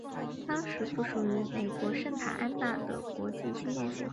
当时附属于美国圣塔安娜的国际青年协会。